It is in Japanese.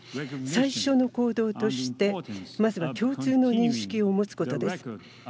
最初の行動としてまずは共通の認識を持つことです。